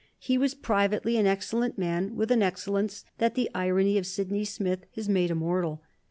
He was privately an excellent man, with an excellence that the irony of Sydney Smith has made immortal.